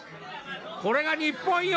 これが日本よ。